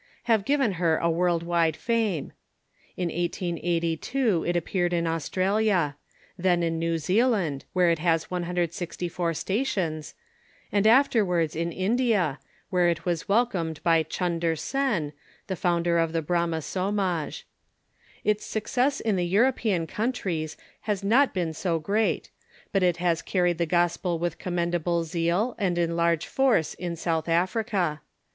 have given her a world wide fame; in 1882 it appeared in Australia; then in New Zealand, where it has 164 stations, and afterwards in India, where it was welcomed by Chunder Sen, the founder of the Brama Somaj. Its success in the European countries has not been so great, but it has carried the gospel with commendable zeal and in large force in South Africa.